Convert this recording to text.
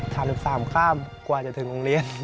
๓๓ข้ามกว่าจะถึงโรงเรียน